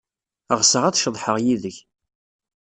Ɣseɣ ad ceḍḥeɣ yid-k.